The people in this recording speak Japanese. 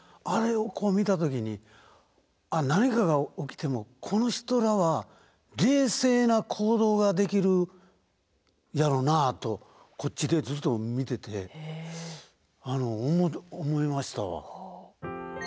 あれをこう見た時にあっ何かが起きてもこの人らは冷静な行動ができるやろうなあとこっちでずっと見てて思いましたわ。